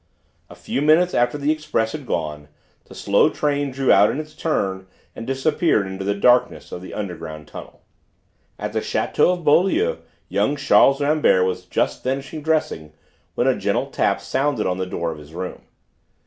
A few minutes after the express had gone, the slow train drew out in its turn, and disappeared into the darkness of the underground tunnel. At the château of Beaulieu young Charles Rambert was just finishing dressing when a gentle tap sounded on the door of his room.